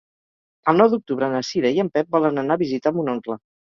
El nou d'octubre na Cira i en Pep volen anar a visitar mon oncle.